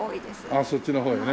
ああそっちの方へね。